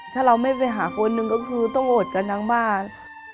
ถ้าเราไม่ไปหาคนหนึ่งก็คือต้องอดกันทั้งบ้าน